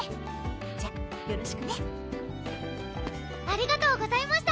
じゃよろしくねありがとうございました！